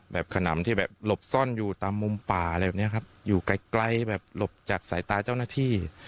แบบขนามที่หลบซ่อนอยู่ตามมุมป่าอยู่ใกล้หลบจากสายตาเจ้าหน้าที่